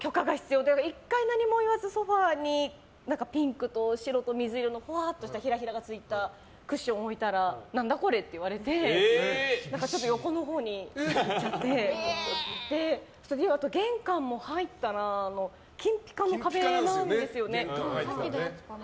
１回何も言わずにソファにピンクと白と水色のふわーっとしたひらひらがついたクッションを置いたら何だこれって言われて横のほうに。玄関も入ったら金ピカの壁なんですよね。